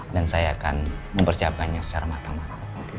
dan saya akan mempersiapkannya secara matang matang